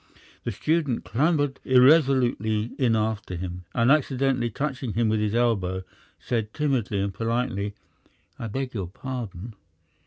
The student clambered irresolutely in after him, and accidentally touching him with his elbow, said timidly and politely: "I beg your pardon."